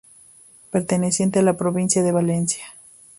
Perteneciente a la provincia de Valencia.